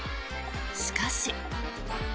しかし。